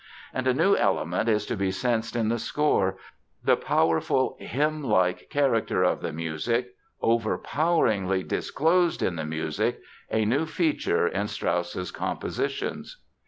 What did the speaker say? And a new element is to be sensed in the score—the powerful, hymn like character of the music overpoweringly disclosed in the music, a new feature in Strauss's compositions."